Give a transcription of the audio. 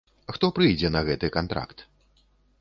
Хто прыйдзе на гэты кантракт?